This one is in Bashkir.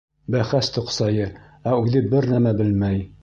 — Бәхәс тоҡсайы, ә үҙе бер нәмә белмәй.